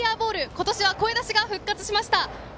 今年は声出しが復活しました。